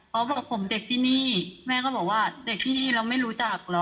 เขาบอกผมเด็กที่นี่แม่ก็บอกว่าเด็กที่นี่เราไม่รู้จักเหรอ